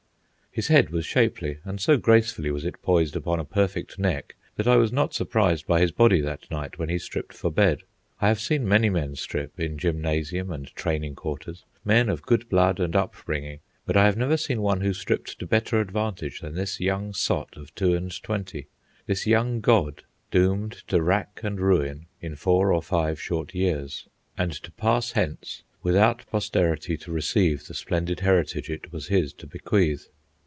His head was shapely, and so gracefully was it poised upon a perfect neck that I was not surprised by his body that night when he stripped for bed. I have seen many men strip, in gymnasium and training quarters, men of good blood and upbringing, but I have never seen one who stripped to better advantage than this young sot of two and twenty, this young god doomed to rack and ruin in four or five short years, and to pass hence without posterity to receive the splendid heritage it was his to bequeath.